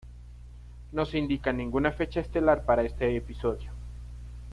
No se indica ninguna fecha estelar para este episodio.